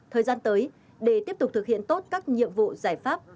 thời gian tới để tiếp tục thực hiện tốt các nhiệm vụ giải pháp